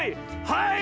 はい！